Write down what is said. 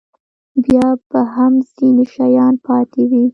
بیا به هم ځینې شیان پاتې وي.